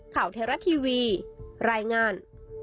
ข่าวเทราะทีวีรายงาน